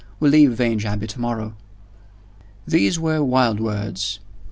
We leave Vange Abbey to morrow." These were wild words.